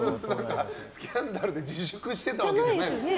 スキャンダルで自粛してたわけじゃないから。